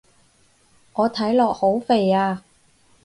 我睇落好肥啊